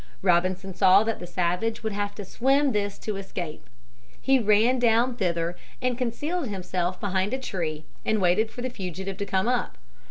Robinson saw that the savage would have to swim this to escape. He ran down thither and concealed himself behind a tree and waited for the fugitive to come up.